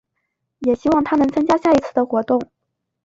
也希望她能参加下一次的活动。